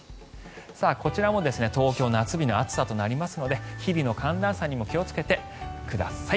こちらも東京、夏日の暑さとなりますので日々の寒暖差にも気をつけてください。